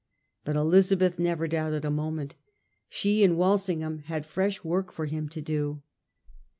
But Elizabeth never doubted a moment ; she and Walsingham had fresh work for him to do.